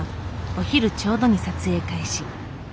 お昼ちょうどに撮影開始。